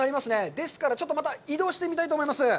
ですから、ちょっとまた移動してみたいと思います。